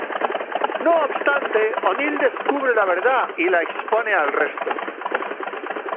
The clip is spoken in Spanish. No obstante, O'Neill descubre la verdad y la expone al resto.